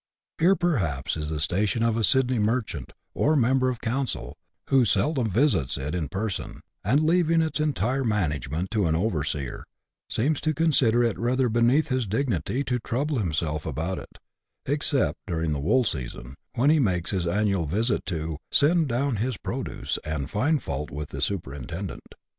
Here, perhaps, is the station of a Sydney merchant, or member of council, who seldom visits it in person, and leaving its entire management to an overseer, seems to consider it rather beneath his dignity to trouble himself about it, except during the wool season, when he makes his annual visit, to " send down his pro duce, and find fault with the superintendent."